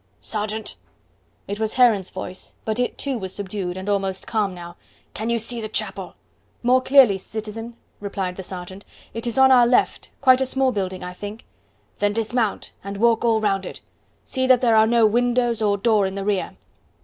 "Sergeant!" It was Heron's voice, but it too was subdued, and almost calm now; "can you see the chapel?" "More clearly, citizen," replied the sergeant. "It is on our left; quite a small building, I think." "Then dismount, and walk all round it. See that there are no windows or door in the rear."